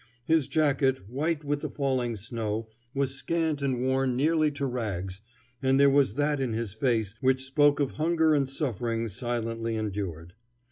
His jacket, white with the falling snow, was scant and worn nearly to rags, and there was that in his face which spoke of hunger and suffering silently endured.